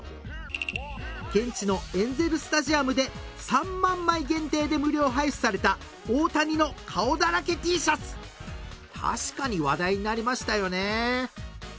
現地のエンゼル・スタジアムで３万枚限定で無料配布された確かに話題になりましたよね